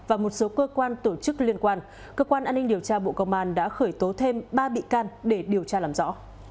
và một số cơ quan tổ chức liên quan cơ quan an ninh điều tra bộ công an đã khởi tố thêm ba bị can để điều tra làm rõ